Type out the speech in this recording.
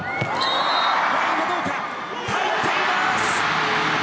ラインはどうか、入っています。